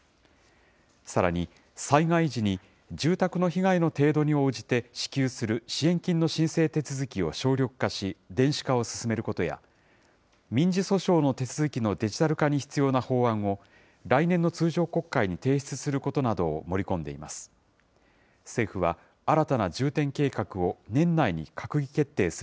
さらに災害時に、住宅の被害の程度に応じて支給する支援金の申請手続きを省略化し、電子化を進めることや、民事訴訟の手続きのデジタル化に必要な法案を、来年の通常国会に提出することなどを盛り込んでいます。